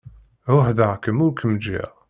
Ɛuhdeɣ-kem ur kem-ǧǧiɣ.